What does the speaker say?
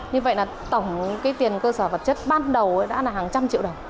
như vậy là tổng cái tiền cơ sở vật chất ban đầu đã là hàng trăm triệu đồng